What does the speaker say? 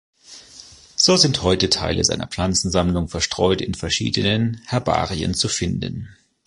So sind heute Teile seiner Pflanzensammlung verstreut in verschiedenen Herbarien zu finden.